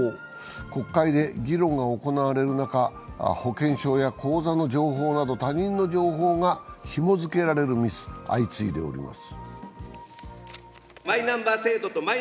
国会で議論が行われる中保険証や口座の情報など他人の情報がひも付けられるミス相次いでいます。